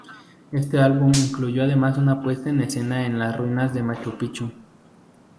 Este álbum incluyó además una puesta en escena en las ruinas de Machu Picchu.